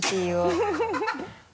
フフフ